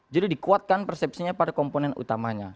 jadi dikuatkan persepsinya pada komponen utamanya